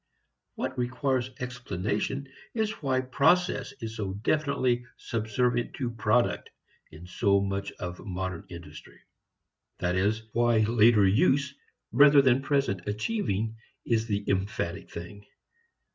What requires explanation is why process is so definitely subservient to product in so much of modern industry: that is, why later use rather than present achieving is the emphatic thing.